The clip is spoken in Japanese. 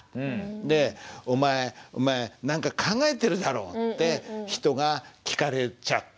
で「お前何か考えてるだろ」って人が聞かれちゃった。